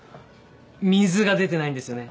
水が出てないんですよね